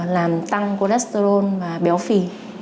làm tăng cholesterol và béo phì